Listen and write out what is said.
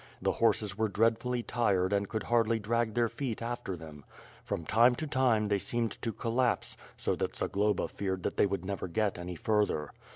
The horses were dreadfully tired and could hardly dra<r their feet after them. Prom time to time, they seemed to collapse, so that Zagloba feared that they would never get any further.